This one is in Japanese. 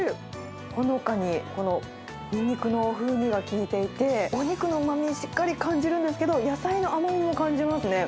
ほのかに、このニンニクの風味が効いていて、お肉のうまみをしっかり感じるんですけど、野菜の甘みも感じますね。